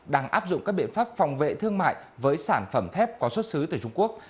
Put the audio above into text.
đang áp dụng các biện pháp phòng vệ thương mại với sản phẩm thép có xuất xứ từ trung quốc